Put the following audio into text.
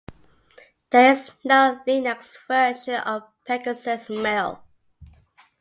There is no Linux version of Pegasus Mail.